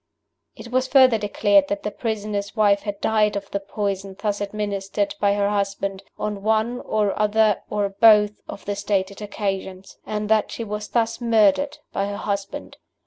It was further declared that the prisoner's wife had died of the poison thus administered b y her husband, on one or other, or both, of the stated occasions; and that she was thus murdered by her husband.